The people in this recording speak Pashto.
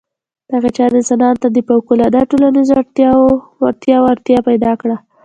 دغې چارې انسانانو ته د فوقالعاده ټولنیزو وړتیاوو اړتیا پیدا کړه.